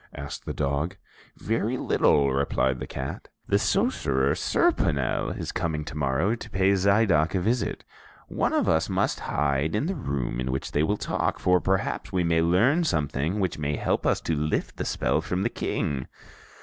asked the dog. "Very little," replied the cat. "The Sorcerer Serponel is coming to morrow to pay Zidoc a visit. One of us must hide in the room in which they will talk; for perhaps we may learn something which may help us to lift the spell from the King."